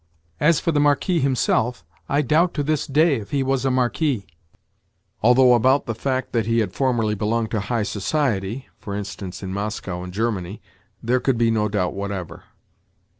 As for the Marquis himself, I doubt to this day if he was a Marquis—although about the fact that he had formerly belonged to high society (for instance, in Moscow and Germany) there could be no doubt whatever.